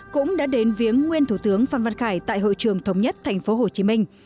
cũng đã đến viếng nguyên thủ tướng phan văn khải tại hội trưởng thống nhất tp hcm